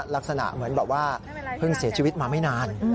ลักษณะเหมือนแบบว่าเพิ่งเสียชีวิตมาไม่นาน